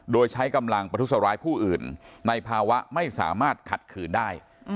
โดยใช้กำลังประทุษร้ายผู้อื่นในภาวะไม่สามารถขัดขืนได้